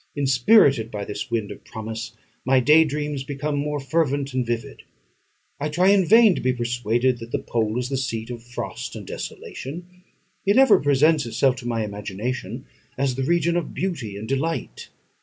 Inspirited by this wind of promise, my day dreams become more fervent and vivid. I try in vain to be persuaded that the pole is the seat of frost and desolation; it ever presents itself to my imagination as the region of beauty and delight.